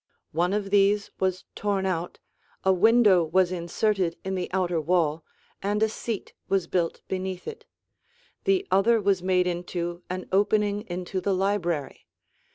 One of these was torn out, a window was inserted in the outer wall, and a seat was built beneath it. The other was made into an opening into the library.